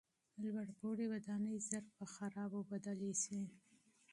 لوړپوړي ودانۍ ژر په خرابو بدلې سوې.